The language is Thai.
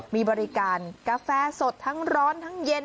มีบริการกาแฟสดทั้งร้อนทั้งเย็น